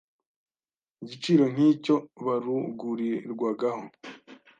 igiciro nk’icyo barugurirwagaho